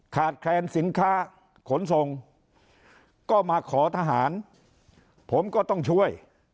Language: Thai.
แคลนสินค้าขนส่งก็มาขอทหารผมก็ต้องช่วย